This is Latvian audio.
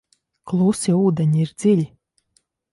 Klusi ūdeņi ir dziļi.